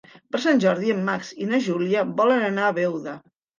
Per Sant Jordi en Max i na Júlia volen anar a Beuda.